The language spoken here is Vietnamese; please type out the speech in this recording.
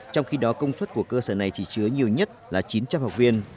trong khi đó công suất của cơ sở này chỉ chứa nhiều nhất là chín trăm linh học viên